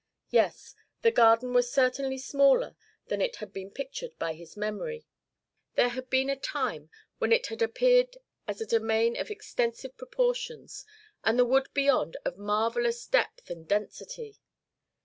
Yes, the garden was certainly smaller than it had been pictured by his memory. There had been a time when it had appeared as a domain of extensive proportions, and the wood beyond of marvelous depth and density.